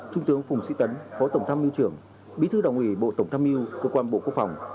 trung tướng phùng sĩ tấn phó tổng tham mưu trưởng bí thư đảng ủy bộ tổng tham mưu cơ quan bộ quốc phòng